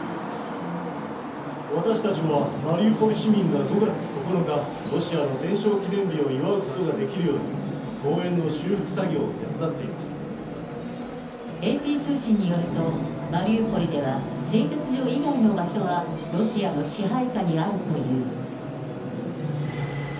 私たちはマリウポリ市民が５月９日、ロシアの戦勝記念日を祝うことができるように、ＡＰ通信によると、マリウポリでは製鉄所以外での場所は、ロシアの支配下にあるという。